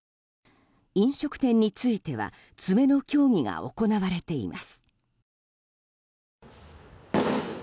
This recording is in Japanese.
飲食店については詰めの協議が行われています。